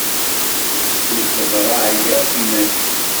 Itteḍrag akk iman-is.